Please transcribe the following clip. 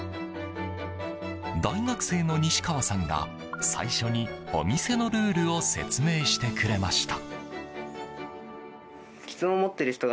大学生の西川さんが最初にお店のルールを説明してくれました。